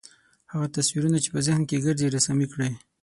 هغه تصویرونه چې په ذهن کې ګرځي رسامي کړئ.